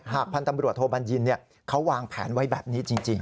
หากพันธมบริวัติโทบัญญิณเนี่ยเขาวางแผนไว้แบบนี้จริง